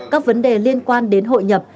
các vấn đề liên quan đến hội nhập